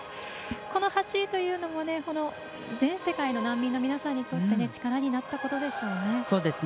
この８位というのも前世界の難民の方とって力になったことでしょうね。